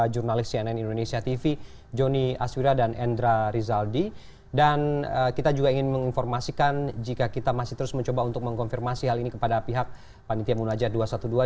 jurnalis jurnalis indonesia tv dipaksa menghapus gambar yang memperlihatkan adanya keributan yang sempat terjadi di lokasi acara